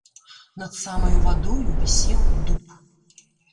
Над самаю вадою вісеў дуб.